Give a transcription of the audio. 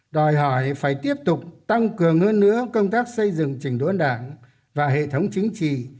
đòi hỏi phải tiếp tục tăng cường hơn nữa công tác xây dựng trình đốn đảng và hệ thống chính trị